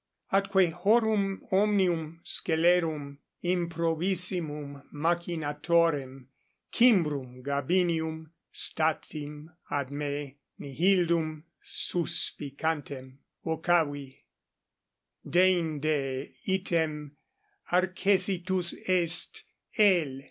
Atque horum omnium scelerum improbissimum machinatorem Cimbrum Gabinium statim ad me, nihildum suspicantem, vocavi; deinde item arcessitus est L.